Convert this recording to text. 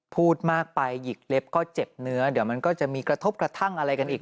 พูดมากไปหยิกเล็บก็เจ็บเนื้อเดี๋ยวมันก็จะมีกระทบกระทั่งอะไรกันอีก